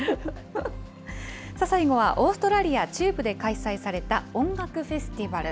最後はオーストラリア中部で開催された音楽フェスティバル。